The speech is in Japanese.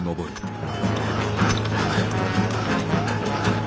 ああ？